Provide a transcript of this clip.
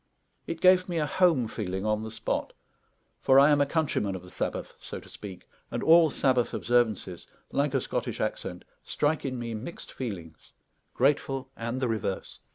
It gave me a home feeling on the spot; for I am a countryman of the Sabbath, so to speak, and all Sabbath observances, like a Scottish accent, strike in me mixed feelings, grateful and the reverse.